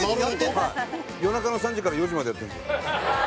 夜中の３時から４時までやってるんですよ。